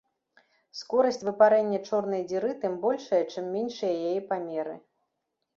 Скорасць выпарэння чорнай дзіры тым большая, чым меншыя яе памеры.